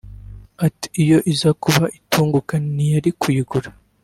Ati "Iyo iza kuba itunguka ntiyari kuyigura